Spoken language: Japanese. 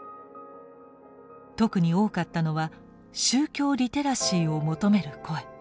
特に多かったのは宗教リテラシーを求める声。